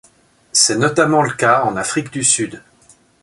C'est notamment le cas en Afrique du Sud.